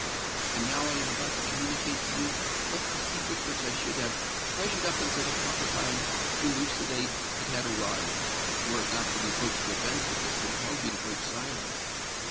And now I am about to communicate to you both a secret which I should have treasured up until the proper time to elucidate it had arrived—were it not for the approaching event which has compelled me to break silence.